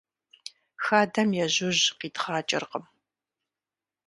Хадэм ежьужь къидгъакӀэркъым.